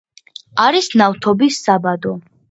არის ნავთობის საბადო.